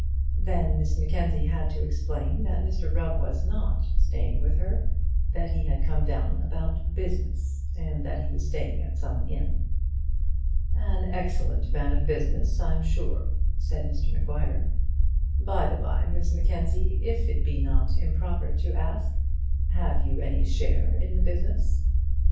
Then Miss Mackenzie had to explain that Mr Rubb was not staying with her, that he had come down about business, and that he was staying at some inn. "An excellent man of business; I'm sure," said Mr Maguire. "By the bye, Miss Mackenzie, if it be not improper to ask, have you any share in the business?"